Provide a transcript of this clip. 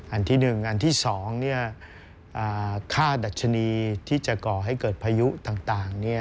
อันที่๑อันที่๒ค่าดัชนีที่จะก่อให้เกิดพายุต่าง